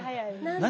何？